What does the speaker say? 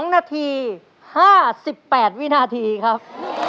๒นาที๕๘วินาทีครับ